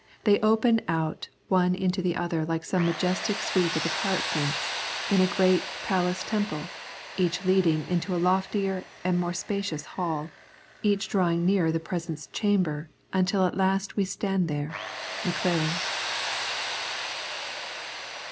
They open out one into the other like some majestic suite of apartments in a great i palace temple, each leading into a loftier and more spacious hall, each drawing nearer the presence chamber, until at last we stand there" (Maclaren).